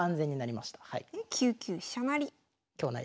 で９九飛車成。